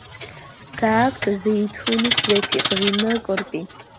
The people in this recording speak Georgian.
გააქვთ ზეითუნის ზეთი, ღვინო, კორპი.